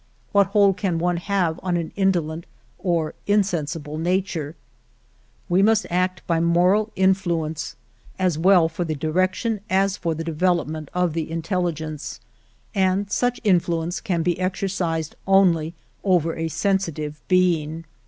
What hold can one have on an indolent or insensible nature ?" We must act by moral influence, as well for the direction as for the development of the in telligence; and such influence can be exercised only over a sensitive being.